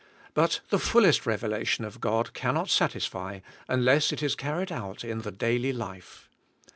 But the fullest revelation of God cannot satisfy unless it is carried out in the daily life.